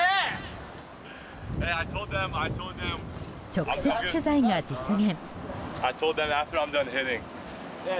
直接取材が実現。